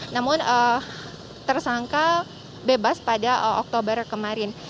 namun tersangka bebas pada oktober kemarin